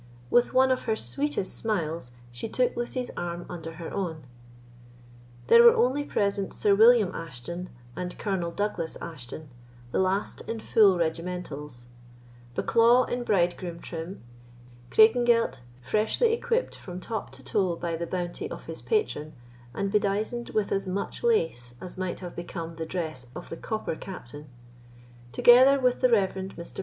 With one of her sweetest smiles, she took Lucy's arm under her own. There were only present, Sir William Ashton and Colonel Douglas Ashton, the last in full regimentals; Bucklaw, in bridegroom trim; Craigengelt, freshly equipt from top to toe by the bounty of his patron, and bedizened with as much lace as might have become the dress of the Copper Captain; together with the Rev. Mr.